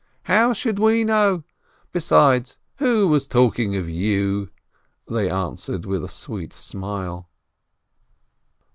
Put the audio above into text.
"How should we know? Besides, who was talking of you?" they answered with a sweet smile.